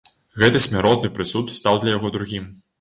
Гэты смяротны прысуд стаў для яго другім.